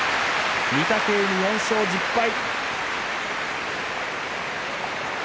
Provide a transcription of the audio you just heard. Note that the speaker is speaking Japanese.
御嶽海４勝１０敗。